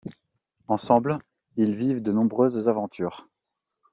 Ensemble, ils vivent de nombreuses aventures.